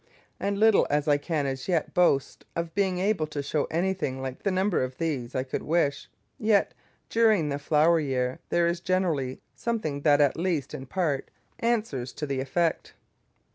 And little as I can as yet boast of being able to show anything like the number of these I could wish, yet during the flower year there is generally something that at least in part answers to the effort.